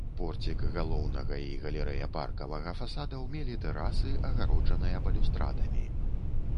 Порцік галоўнага і галерэя паркавага фасадаў мелі тэрасы, агароджаныя балюстрадамі.